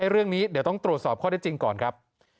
เรื่องนี้เดี๋ยวต้องตรวจสอบข้อได้จริงก่อนครับ